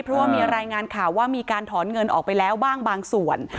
เพราะว่ามีรายงานข่าวว่ามีการถอนเงินออกไปแล้วบ้างบางส่วน